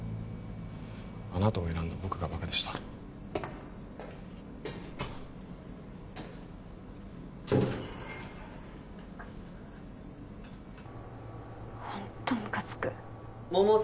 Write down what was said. あなたを選んだ僕がバカでしたホントムカつく百瀬